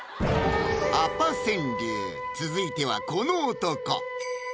アパ川柳続いてはこの男